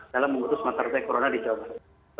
dalam mengutus materi corona di jawa barat